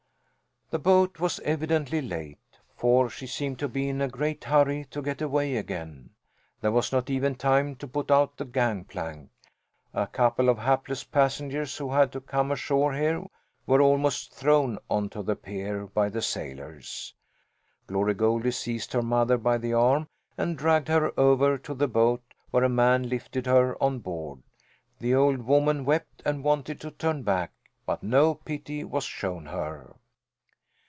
The boat was evidently late, for she seemed to be in a great hurry to get away again. There was not even time to put out the gangplank. A couple of hapless passengers who had to come ashore here were almost thrown onto the pier by the sailors. Glory Goldie seized her mother by the arm and dragged her over to the boat, where a man lifted her on board. The old woman wept and wanted to turn back, but no pity was shown her.